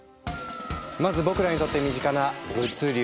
まず僕らにとって身近な物流！